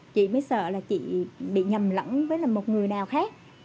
chị mới sợ là chị bị nhầm lẫn với là một người nào khác